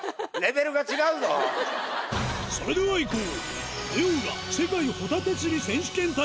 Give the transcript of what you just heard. それではいこう！